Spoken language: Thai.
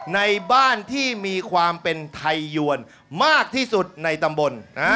ในบ้านที่มีความเป็นไทยยวนมากที่สุดในตำบล